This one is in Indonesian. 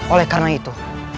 oleh karena itu